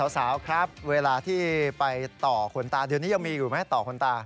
สาวครับเวลาที่ไปต่อขนตาเดี๋ยวนี้ยังมีอยู่ไหมต่อขนตา